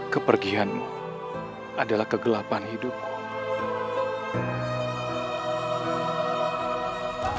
kepergianmu adalah kegelapan hidupku